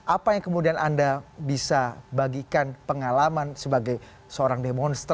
apa yang kemudian anda bisa bagikan pengalaman sebagai seorang demonstran